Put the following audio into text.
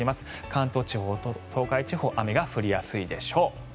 関東地方、東海地方雨が降りやすいでしょう。